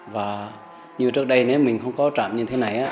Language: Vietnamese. và như trước đây nếu mình không có trạm như thế này